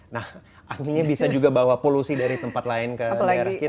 nah akhirnya bisa juga bawa polusi dari tempat lain ke daerah kita